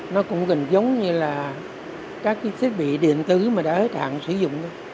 nó cũng gần giống như là các cái thiết bị điện tử mà đã hết hạn sử dụng